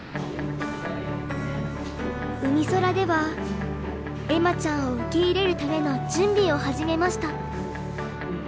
うみそらでは恵麻ちゃんを受け入れるための準備を始めました。